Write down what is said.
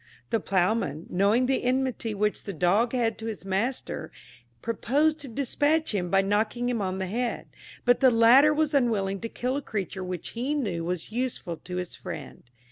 The ploughman, knowing the enmity which the dog had to his master, proposed to despatch him by knocking him on the head; but the latter was unwilling to kill a creature which he knew was useful to his friend.